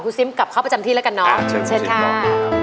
คุณซิมกลับเข้าประจำที่แล้วกันเนาะ